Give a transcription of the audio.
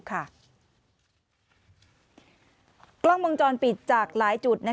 กล้องวงจรปิดจากหลายจุด